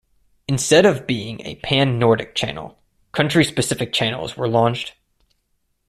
Instead of being a pan-Nordic channel, country specific channels were launched.